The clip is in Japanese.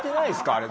あれ。